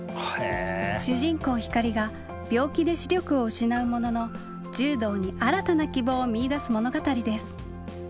主人公光が病気で視力を失うものの柔道に新たな希望を見いだす物語です。